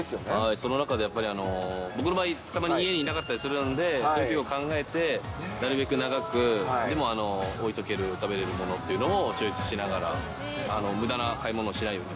その中でやっぱり、僕の場合、たまに家にいなかったりするんで、そういうときを考えて、なるべく長く、でも、置いとける食べれるものっていうのを重視しながら、むだな買い物偉い！